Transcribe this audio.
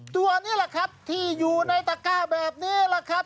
ตัวนี้แหละครับที่อยู่ในตะก้าแบบนี้แหละครับ